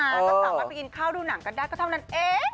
ก็สามารถไปกินข้าวดูหนังกันได้ก็เท่านั้นเอง